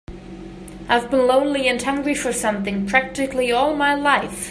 I've been lonely and hungry for something practically all my life.